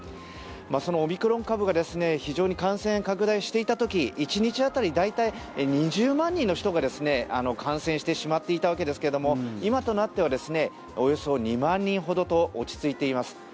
そのオミクロン株が非常に感染拡大していた時１日当たり大体２０万人の人が感染してしまっていたわけですが今となってはおよそ２万人ほどと落ち着いています。